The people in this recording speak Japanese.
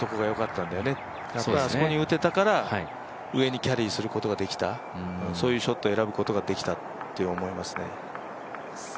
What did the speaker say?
やっぱりあそこに打てたから上にキャリーすることができた、そういうショットを選ぶことができたと思いますね。